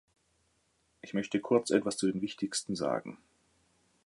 Ich möchte kurz etwas zu den wichtigsten sagen.